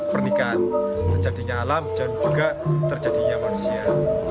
pernikahan terjadinya alam dan juga terjadinya manusia